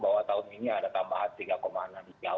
bahwa tahun ini ada tambahan tiga enam juta